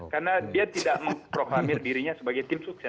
karena dia tidak memproklamir dirinya sebagai tim sukses